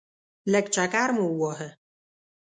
لږ چکر مو وواهه.